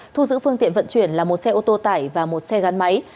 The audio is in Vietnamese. thu giữ phương tiện vận chuyển là một xe ô tô tải và một xe gắn máy